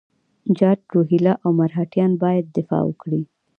جاټ، روهیله او مرهټیان باید دفاع وکړي.